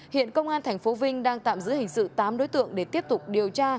hiện công an tp vinh đang tạm giữ hình sự tám đối tượng để tiếp tục điều tra